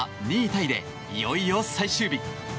タイで、いよいよ最終日。